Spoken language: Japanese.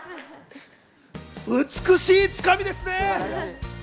美しいつかみですね！